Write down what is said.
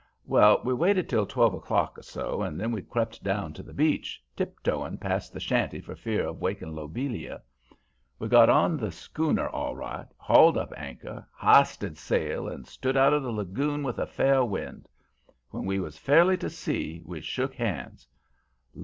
"Well, we waited till twelve o'clock or so and then we crept down to the beach, tiptoeing past the shanty for fear of waking Lobelia. We got on the schooner all right, hauled up anchor, h'isted sail and stood out of the lagoon with a fair wind. When we was fairly to sea we shook hands.